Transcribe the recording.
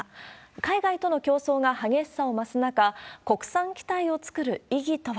海外との競争が激しさを増す中、国産機体を作る意義とは。